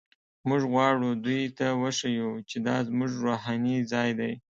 موږ غواړو دوی ته وښیو چې دا زموږ روحاني ځای دی.